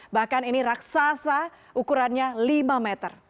bahkan ini raksasa ukurannya lima meter